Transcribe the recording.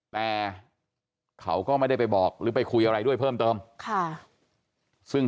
แต่เขาก็ไม่ได้ไปบอกหรือไปคุยอะไรด้วยเพิ่มเติมค่ะซึ่ง